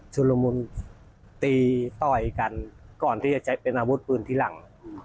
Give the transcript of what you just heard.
ละมุนตีต่อยกันก่อนที่จะใช้เป็นอาวุธปืนที่หลัง